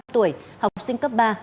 một mươi năm tuổi học sinh cấp ba